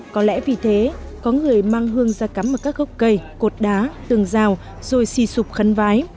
có lẽ vì thế có người mang hương ra cắm ở các gốc cây cột đá tường rào rồi xì sụp khấn vái